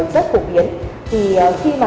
rất cổ biến thì khi mà